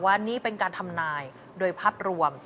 ว่านี่เป็นการทำนายโดยภาพรวม